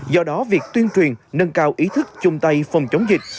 do đó việc tuyên truyền nâng cao ý thức chung tay phòng chống dịch